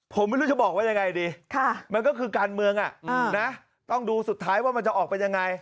ผมไม่รู้จะบอกว่ายังไงดีมันก็คือการเมืองต้องดูสุดท้ายว่ามันจะออกเป็นยังไง